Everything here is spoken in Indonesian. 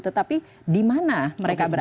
tetapi di mana mereka berada